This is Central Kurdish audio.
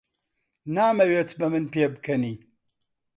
نامەوێت بە من پێبکەنی.